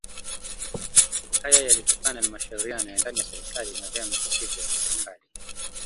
Haya yalitokana na mashauriano ya ndani ya serikali na vyama visivyo vya kiserikali